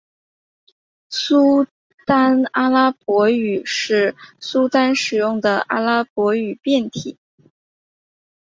苏丹阿拉伯语是苏丹使用的阿拉伯语变体。